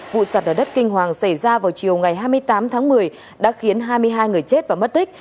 vụ sạt lở đất kinh hoàng xảy ra vào chiều ngày hai mươi tám tháng một mươi đã khiến hai mươi hai người chết và mất tích